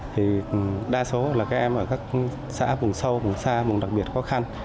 thì đa số là các em ở các xã vùng sâu vùng xa vùng đặc biệt khó khăn